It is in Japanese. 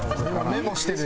メモしてる。